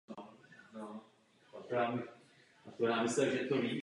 Veřejná doprava obsluhuje třída v celé její délce.